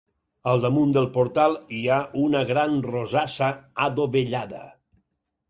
Al damunt del portal hi ha una gran rosassa adovellada.